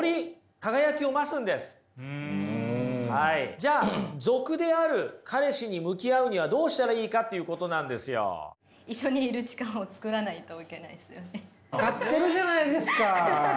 じゃあ俗である彼氏に向き合うにはどうしたらいいかっていうことなんですよ。分かってるじゃないですか。